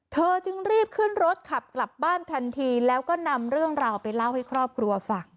จึงรีบขึ้นรถขับกลับบ้านทันทีแล้วก็นำเรื่องราวไปเล่าให้ครอบครัวฟัง